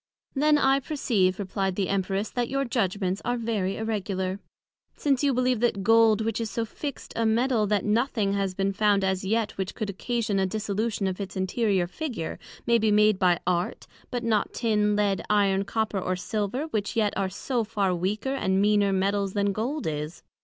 Then I perceive, replyed the Empress, that your judgments are very irregular, since you believe that Gold, which is so fixt a Metal, that nothing has been found as yet which could occasion a dissolution of its interior figure, may be made by Art, and not Tin, Lead, Iron, Copper or Silver, which yet are so far weaker, and meaner Metals then Gold is.